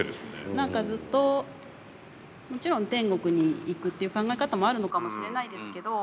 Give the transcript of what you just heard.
なんかずっと、もちろん天国に行くっていう考え方もあるのかもしれないですけど。